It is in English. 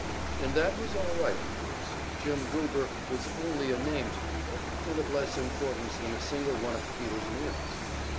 And that was all right, of course; Jim Goober was only a name to Peter, and of less importance than a single one of Peter's meals.